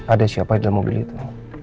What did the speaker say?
ada siapa di dalam mobil itu